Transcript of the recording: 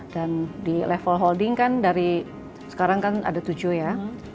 dan di level holding kan dari sekarang kan ada tujuh ya